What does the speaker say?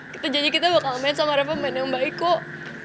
kita janji kita bakal main sama orang pemain yang baik kok